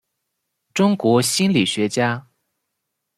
中国心理学家。